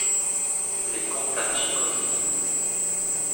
Les comprachicos